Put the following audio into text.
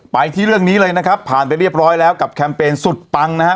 ไปที่เรื่องนี้เลยนะครับผ่านไปเรียบร้อยแล้วกับแคมเปญสุดปังนะฮะ